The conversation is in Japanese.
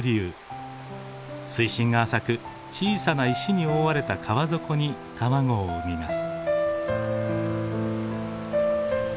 水深が浅く小さな石に覆われた川底に卵を産みます。